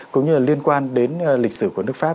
cũng như là liên quan đến lịch sử của nước pháp